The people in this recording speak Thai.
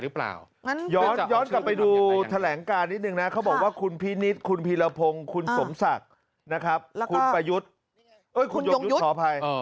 คุณประยุทธ์คุณยงยุทธ์สอบภัย